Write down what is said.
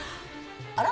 あら？